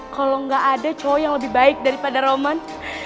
kalo gak ada cowok yang lebih baik daripada roman